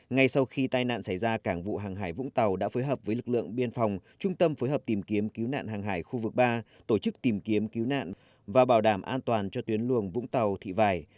ngay sau khi tai nạn xảy ra cảng vụ hàng hải vũng tàu đã phối hợp với lực lượng biên phòng trung tâm phối hợp tìm kiếm cứu nạn hàng hải khu vực ba tổ chức tìm kiếm cứu nạn và bảo đảm an toàn cho tuyến luồng vũng tàu thị vải